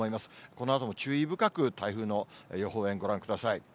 このあとも注意深く台風の予報円、ご覧ください。